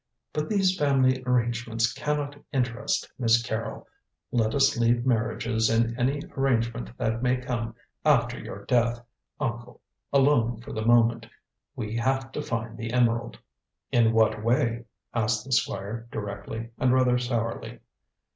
"But these family arrangements cannot interest Miss Carrol. Let us leave marriages and any arrangement that may come after your death, uncle, alone for the moment. We have to find the emerald." "In what way?" asked the Squire directly, and rather sourly.